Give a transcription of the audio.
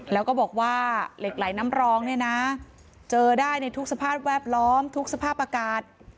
แล้วก็บอกว่าเหล็กไหลน้ำรองเนี่ยนะเจอได้ในทุกสภาพแวดล้อมทุกสภาพอากาศ